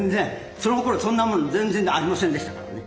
そのころそんなもん全然ありませんでしたからね。